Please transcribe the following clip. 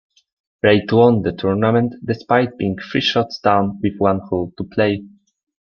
Reid won the tournament despite being three shots down with one hole to play.